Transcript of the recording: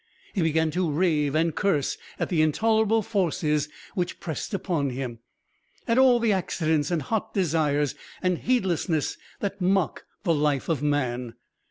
He began to rave and curse at the intolerable forces which pressed upon him, at all the accidents and hot desires and heedlessness that mock the life of man.